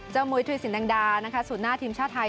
เจ้ามุยถูยสินดังดาสูญหน้าทีมชาติไทย